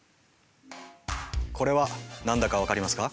これは何だか分かりますか？